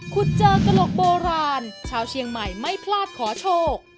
เจอตลกโบราณชาวเชียงใหม่ไม่พลาดขอโชค